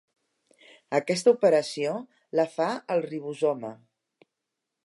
Aquesta operació la fa el ribosoma.